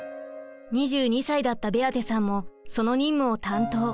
２２歳だったベアテさんもその任務を担当。